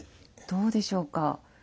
どうでしょうか？